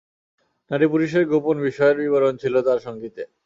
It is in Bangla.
নারী-পুরুষের গোপন বিষয়ের বিবরণ ছিল তার সঙ্গীতে।